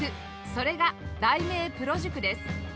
それが題名プロ塾です